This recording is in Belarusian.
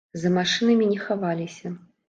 За машынамі не хаваліся.